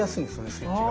スイッチが。